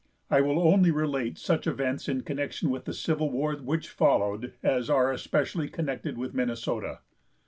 I will only relate such events in connection with the Civil War which followed as are especially connected with Minnesota.